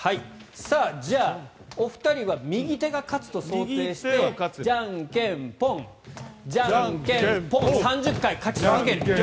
じゃあ、お二人は右手が勝つと想定してじゃんけんポンじゃんけんポン３０回、勝ち続ける。